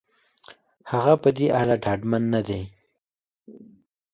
هغه په دې اړه ډاډمن نه دی.